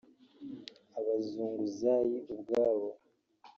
Abazunguzayi ubwabo